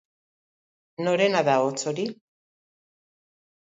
Norena da ahots hori?